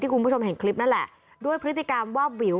คุณผู้ชมเห็นคลิปนั่นแหละด้วยพฤติกรรมวาบวิว